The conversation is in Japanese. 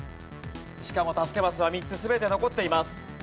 しかも助けマスは３つ全て残っています。